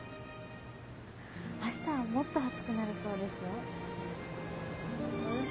あしたはもっと暑くなるそうですよ。